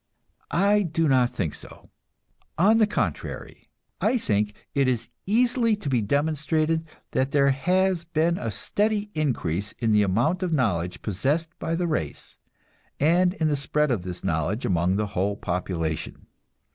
I do not think so; on the contrary, I think it is easily to be demonstrated that there has been a steady increase in the amount of knowledge possessed by the race, and in the spread of this knowledge among the whole population.